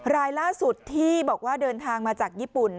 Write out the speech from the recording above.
รายล่าสุดที่บอกว่าเดินทางมาจากญี่ปุ่น